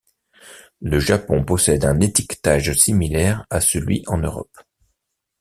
Le Japon possède un étiquetage similaire à celui en Europe.